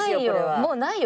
もうないよ。